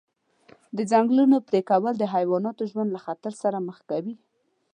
د ځنګلونو پرېکول د حیواناتو ژوند له خطر سره مخ کوي.